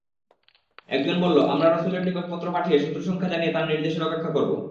একজন বলল, আমরা রাসূলের নিকট পত্র পাঠিয়ে শত্রু-সংখ্যা জানিয়ে তাঁর নির্দেশের অপেক্ষা করব।